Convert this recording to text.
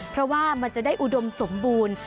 เพราะว่ามันจะได้อุดมสมบูรณ์